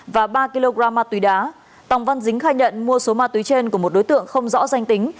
và ba kg ma túy đá tòng văn dính khai nhận mua số ma túy trên của một đối tượng không rõ danh tính